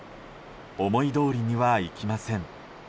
思いどおりにはいきません。